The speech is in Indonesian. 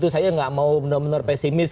saya nggak mau benar benar pesimis